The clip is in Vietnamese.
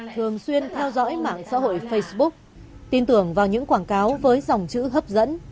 thường xuyên theo dõi mạng xã hội facebook tin tưởng vào những quảng cáo với dòng chữ hấp dẫn